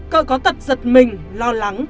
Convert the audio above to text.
cỡ có tật giật mình lo lắng